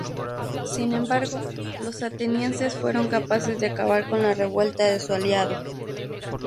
Sin embargo, los atenienses fueron capaces de acabar con la revuelta de su aliado.